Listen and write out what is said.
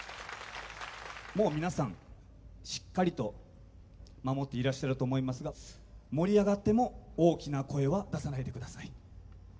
もう皆さんしっかりと守っていらっしゃると思いますが盛り上がっても大きな声は出さないで下さい。